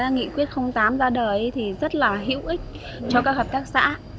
nghị quyết tám ra đời rất hữu ích cho các hợp tác xã